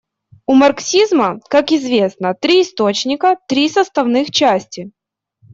У марксизма, как известно, три источника, три составных части.